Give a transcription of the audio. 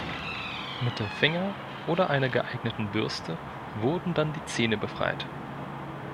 Mit dem Finger oder einer geeigneten Bürste wurden dann die Zähne befreit.